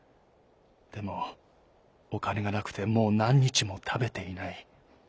でもおかねがなくてもうなんにちもたべていない。